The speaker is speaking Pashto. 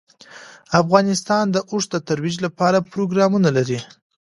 افغانستان د اوښ د ترویج لپاره پروګرامونه لري.